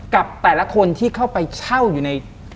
กับแต่ละคนที่เข้าไปเช่าอยู่ใน